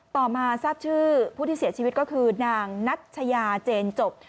ต่อมาทราบชื่อผู้ที่เสียชีวิตก็คือนางนัชยาเจนจบ